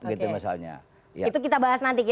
itu kita bahas nanti